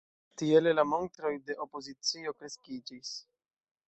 Tiele la montroj de opozicio kreskiĝis.